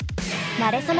なれそめ！